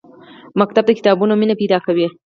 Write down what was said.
ښوونځی د کتابونو مینه پیدا کوي